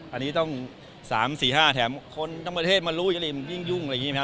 อันนี้ต้องสามสี่ห้าแถมคนทั้งประเทศมารู้อย่างนี้มันยิ่งยุ่งอะไรอย่างนี้